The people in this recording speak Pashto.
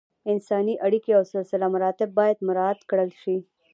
انساني اړیکې او سلسله مراتب باید مراعت کړل شي.